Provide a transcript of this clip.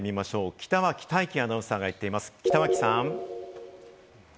北脇太基アナウンサーが行っています。